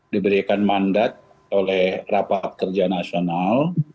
diberikan mandat oleh rapat kerja nasional